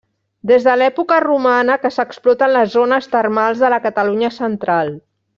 Des de l'època romana que s'exploten les zones termals de la Catalunya Central.